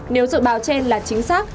nếu dự báo trên là chính xác